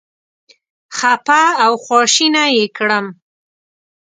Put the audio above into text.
خپه او خواشینی یې کړم.